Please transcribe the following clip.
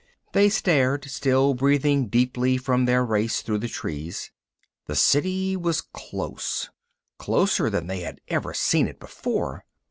They stared, still breathing deeply from their race through the trees. The City was close, closer than they had ever seen it before.